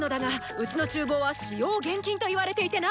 うちの厨房は使用厳禁と言われていてな！